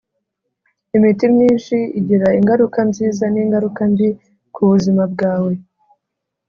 imiti myinshi igira ingaruka nziza n'ingaruka mbi ku buzima bwawe.